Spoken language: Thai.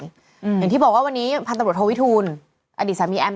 อย่างที่บอกว่าวันนี้พันตำรวจโทวิทูลอดีตสามีแอม